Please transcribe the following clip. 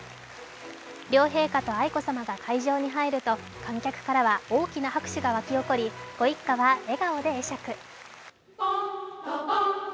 両陛下と愛子さまが会場に入ると、観客からは大きな拍手が沸き起こりご一家は笑顔で会釈。